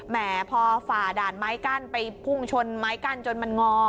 แหมพอฝ่าด่านไม้กั้นไปพุ่งชนไม้กั้นจนมันงอ